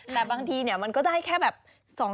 แต่บางทีเนี่ยมันก็ได้แค่แบบ๒๓คน